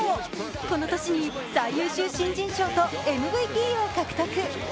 この年に最優秀新人賞とＭＶＰを獲得。